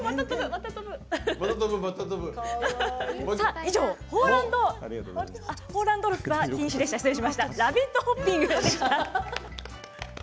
以上ラビットホッピングでした。